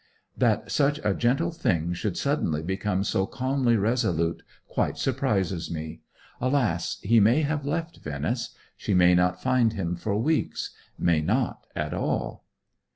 That such a gentle thing should suddenly become so calmly resolute quite surprises me. Alas, he may have left Venice she may not find him for weeks may not at all.